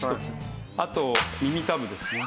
あと耳たぶですね。